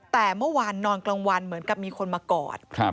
แต่เมื่อวานนอนกลางวันเหมือนกับมีคนมากอด